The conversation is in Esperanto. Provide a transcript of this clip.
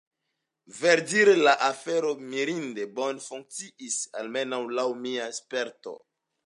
Verdire la afero mirinde bone funkciis, almenaŭ laŭ mia sperto.